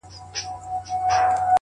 بدكارمو كړی چي وركړي مو هغو ته زړونه؛